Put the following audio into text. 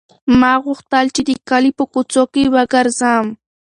ما غوښتل چې د کلي په کوڅو کې وګرځم.